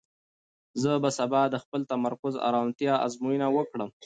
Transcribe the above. زه به سبا د خپل تمرکز او ارامتیا ازموینه وکړم.